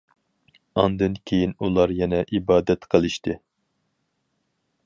ئاندىن كېيىن ئۇلار يەنە ئىبادەت قىلىشتى.